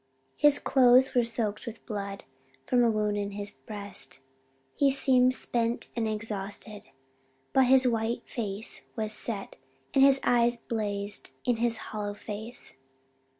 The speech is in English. His clothes were soaked with blood from a wound in his breast, he seemed spent and exhausted; but his white face was set and his eyes blazed in his hollow face.